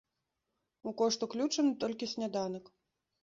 У кошт уключаны толькі сняданак.